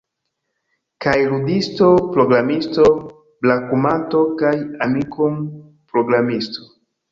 Kaj ludisto, programisto, brakumanto kaj Amikum-programisto